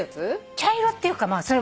茶色っていうかそれも写真。